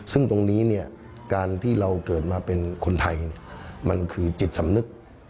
ซึ่งตรงนี้เนี่ยการที่เราเกิดมาเป็นคนไทยมันคือจิตสำนึก